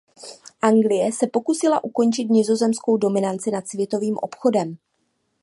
Anglie se pokusila ukončit nizozemskou dominanci nad světovým obchodem.